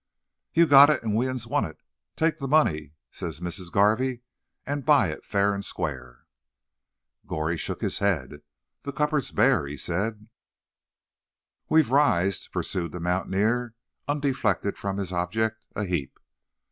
"You've got it; and we 'uns want it. 'Take the money,' says Missis Garvey, 'and buy it fa'r and squar'.'" Goree shook his head. "The cupboard's bare," he said. "We've riz," pursued the mountaineer, undeflected from his object, "a heap.